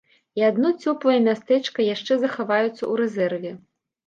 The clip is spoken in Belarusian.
І адно цёплае мястэчка яшчэ захаваецца ў рэзерве.